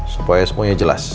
supaya semuanya jelas